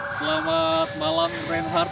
selamat malam reinhardt